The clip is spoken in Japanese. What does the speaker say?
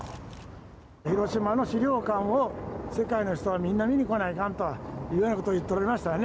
広島の資料館を世界の人はみんな見にこないといかんというようなことを言ってましたよね。